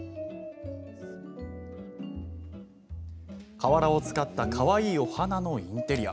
瓦を使ったかわいいお花のインテリア。